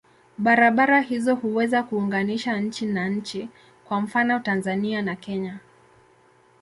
Barabara hizo huweza kuunganisha nchi na nchi, kwa mfano Tanzania na Kenya.